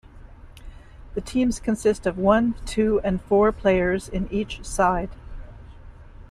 The teams consist of one, two or four players in each side.